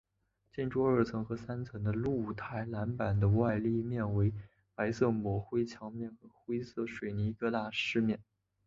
建筑二层和三层的露台栏板的外立面为白色抹灰墙面和灰色水泥疙瘩饰面。